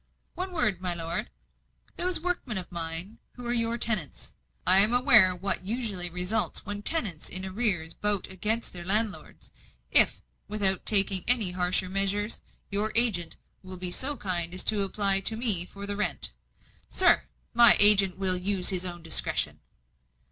"One word, my lord. Those workmen of mine, who are your tenants I am aware what usually results when tenants in arrear vote against their landlords if, without taking any harsher measures, your agent will be so kind as to apply to me for the rent " "Sir, my agent will use his own discretion."